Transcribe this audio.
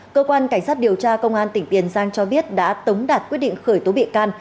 cơ quan cảnh sát điều tra công an tỉnh tiền giang cho biết đã tống đạt quyết định khởi tố bị can